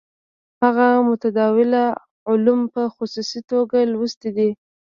هغه متداوله علوم په خصوصي توګه لوستي دي.